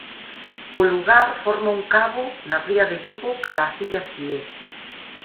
O lugar forma un cabo na Ría de Vigo cara as Illas Cíes.